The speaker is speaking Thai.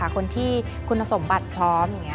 คนที่คุณสมบัติพร้อม